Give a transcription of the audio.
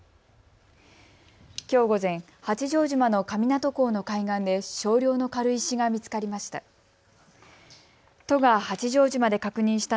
きょう午前、八丈島の神湊港の海岸で少量の軽石が見つかりました。